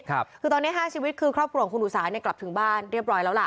คือตอนนี้ห้าชีวิตคือครอบครัวของคุณอุสาเนี่ยกลับถึงบ้านเรียบร้อยแล้วล่ะ